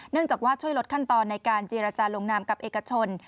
จากว่าช่วยลดขั้นตอนในการเจรจาลงนามกับเอกชน